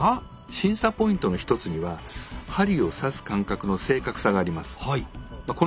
審査ポイントの一つには針を刺す間隔の正確さがあります。